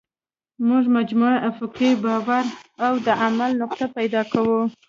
موږ مجموعي افقي بار او د عمل نقطه پیدا کوو